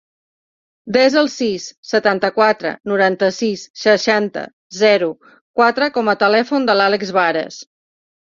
Desa el sis, setanta-quatre, noranta-sis, seixanta, zero, quatre com a telèfon de l'Àlex Varas.